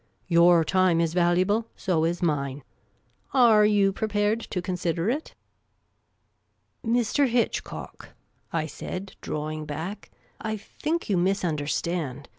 Your time is valuable. So is mine. Arc you prepared to consider it?" " Mr. Hitchcock," I said, drawing back, " I think you misunderstand.